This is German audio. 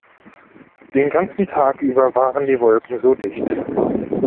Den ganzen Tag über waren die Wolken so dicht.